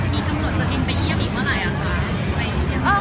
มีกำโลจน์จะอีเดี๋ยวอีกเมื่อไรค่ะ